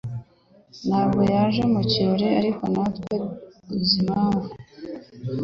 Ntabwo yaje mu kirori, ariko ntawe uzi impamvu.